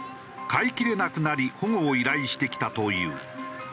飼いきれなくなり保護を依頼してきたという。